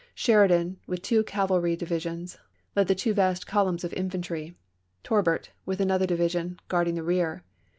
Sheridan, with two cavalry divisions, led the two vast columns of infantry, Torbert, with another division, guard ing the rear.